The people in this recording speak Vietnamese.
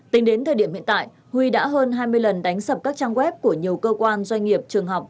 tính đến thời điểm hiện tại huy đã hơn hai mươi lần đánh sập các trang web của nhiều cơ quan doanh nghiệp trường học